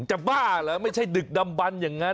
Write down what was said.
บ้าเหรอไม่ใช่ดึกดำบันอย่างนั้น